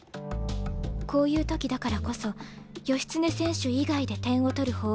こういう時だからこそ義経選手以外で点を取る方法を。